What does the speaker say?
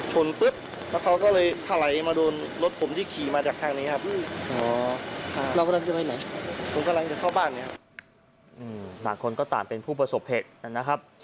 หลายคนก็ต่างเป็นผู้ประสบเหตุนะครับ